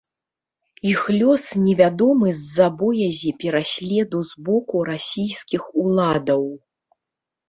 Іх лёс невядомы з-за боязі пераследу з боку расійскіх уладаў.